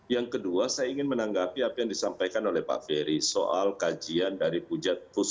yang kedua saya ingin menanggapi apa yang disampaikan oleh pak ferry soal kajian dari pujat